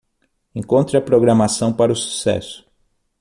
Encontre a programação para o sucesso.